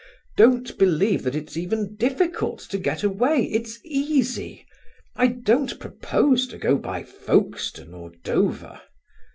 Don't believe that it's even difficult to get away; it's easy. I don't propose to go by Folkestone or Dover."